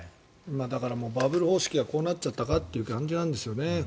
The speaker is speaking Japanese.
バブル方式がこうなっちゃったかという感じですよね。